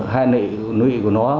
hai nội của nó